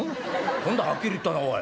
今度ははっきり言ったなおい。